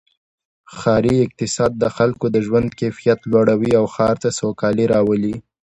ښاري اقتصاد د خلکو د ژوند کیفیت لوړوي او ښار ته سوکالي راولي.